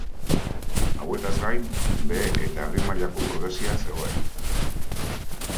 Hauetaz gain, behe eta erdi mailako burgesia zegoen.